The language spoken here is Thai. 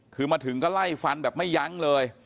คือมาถึงก็ไล่ฟันแบบไม่ยั้งเลย